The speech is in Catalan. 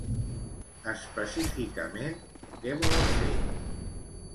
Específicament, què volen fer?